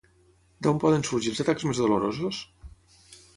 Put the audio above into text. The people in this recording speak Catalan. D'on poden sorgir els atacs més dolorosos?